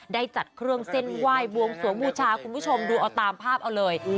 ได้จัดเครื่องเส้นไหว้บวงสวงบูชาคุณผู้ชมดูเอาตามภาพเอาเลย